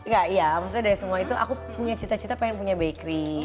gak iya maksudnya dari semua itu aku punya cita cita pengen punya bakery